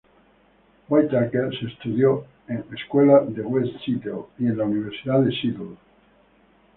Whittaker se estudió en "Escuela de West Seattle" y en la Universidad de Seattle.